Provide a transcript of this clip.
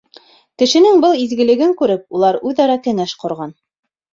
Кешенең был изгелеген күреп, улар үҙ-ара кәңәш ҡорған.